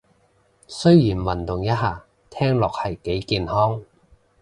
雖然運動一下聽落係幾健康